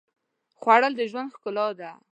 خوړل د ژوند ښکلا ده